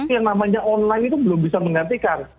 yang namanya online itu belum bisa menggantikan